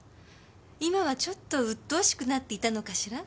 今はちょっとうっとうしくなっていたのかしら？